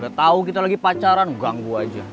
udah tau kita lagi pacaran ganggu aja